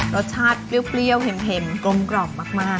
รสชาติเปรี้ยวเข็มกลมมาก